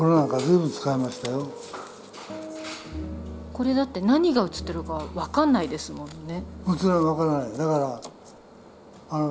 これだって何が写ってるか分かんないですもんね。